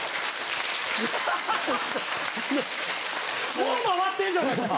もう回ってるじゃないですか！